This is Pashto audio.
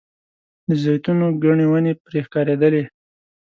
د زیتونو ګڼې ونې پرې ښکارېدلې.